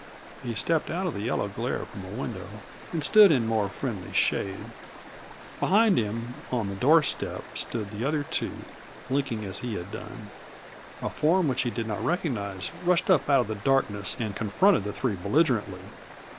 He stepped out of the yellow glare from a window and stood in more friendly shade. Behind him, on the door step, stood the other two, blinking as he had done. A form which he did not recognize rushed up out of the darkness and confronted the three belligerently.